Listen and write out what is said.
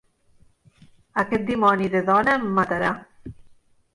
Aquest dimoni de dona em matarà!